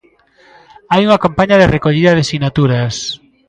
Hai unha campaña de recollida de sinaturas.